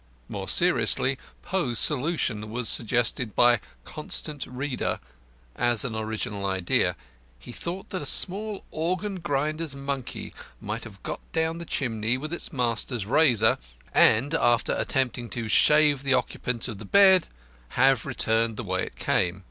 More seriously, Poe's solution was re suggested by "Constant Reader" as an original idea. He thought that a small organ grinder's monkey might have got down the chimney with its master's razor, and, after attempting to shave the occupant of the bed, have returned the way it came.